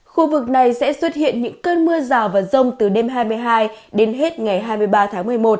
khu vực này sẽ xuất hiện những cơn mưa rào và rông từ đêm hai mươi hai đến hết ngày hai mươi ba tháng một mươi một